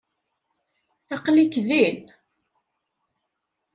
Aql-ik din!